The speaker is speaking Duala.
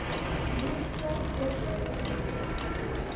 Nú sí ókó tɔ lambo.